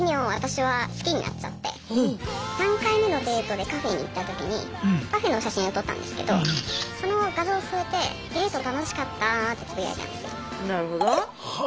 ３回目のデートでカフェに行った時にパフェの写真を撮ったんですけどその画像を添えて「デート楽しかった」ってつぶやいたんですよ。